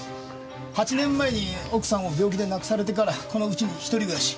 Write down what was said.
８年前に奥さんを病気で亡くされてからこの家に一人暮らし。